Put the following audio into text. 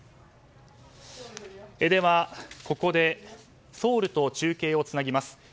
ではここでソウルと中継をつなぎます。